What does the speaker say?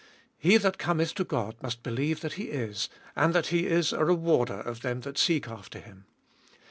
He that cometh to God must believe that He is, and that He is a rewarder of them that seek after Him.